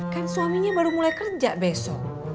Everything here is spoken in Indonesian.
kan suaminya baru mulai kerja besok